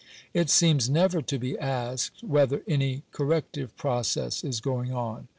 It seems never to be asked, whether any corrective process is going on.